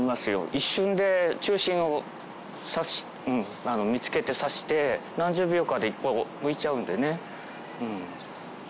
一瞬で中心を見つけて刺して何十秒かで１個むいちゃうんでねうん。